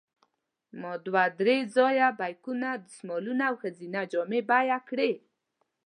ما دوه درې ځایه بیکونه، دستمالونه او ښځینه جامې بیه کړې.